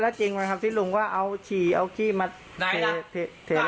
แล้วจริงมั้ยครับที่ลุงว่าเอาฉี่เอาขี้มาเทละ